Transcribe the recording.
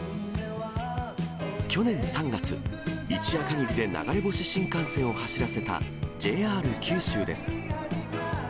去年３月、一夜限りで流れ星新幹線を走らせたＪＲ九州です。